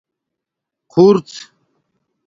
خُرڎ